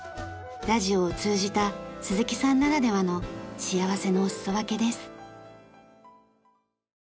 ラジオを通じた鈴木さんならではの幸せのお裾分けです。